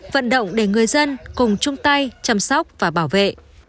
vận động để người dân cùng chung tay chăm sóc và bảo vệ